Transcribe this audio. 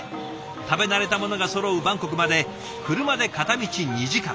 食べ慣れたものがそろうバンコクまで車で片道２時間。